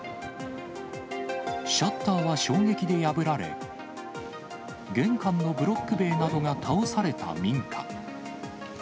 シャッターは衝撃で破られ、玄関のブロック塀などが倒された民家。